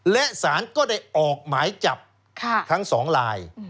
และสารก็ได้ออกหมายจับทั้ง๒ลาย